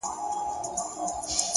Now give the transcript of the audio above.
• هېره سوې د زاړه قبر جنډۍ یم ,